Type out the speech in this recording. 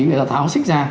người ta tháo xích ra